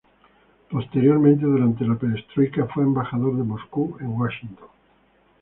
Posteriormente, durante la "Perestroika", fue embajador de Moscú en Washington.